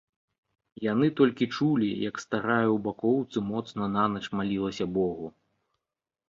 Яны толькі чулі, як старая ў бакоўцы моцна нанач малілася богу.